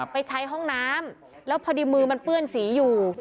ไปใช้ห้องน้ำแล้วพอดีมือมันเปื้อนสีอยู่